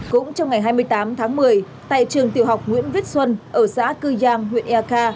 cũng trong ngày hai mươi tám tháng một mươi tại trường tiểu học nguyễn viết xuân ở xã cư giang huyện eka